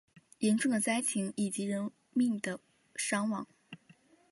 严重的灾情以及人命的伤亡